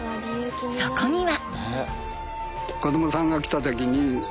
そこには。